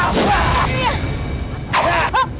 sebelum menghentikan kejahatan kalian berdua